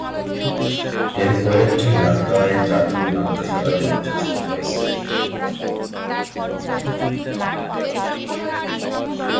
এর কয়েকটি ঢাকায় জাতীয় নাট্যশালায় মঞ্চস্থ হয়েছে।